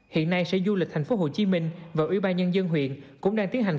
hiện nay sở du lịch tp hcm và ubnd huyện cũng đang tiến hành